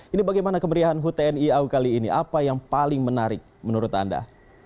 ini bagaimana kemeriahan hut tni au kali ini apa yang paling menarik menurut anda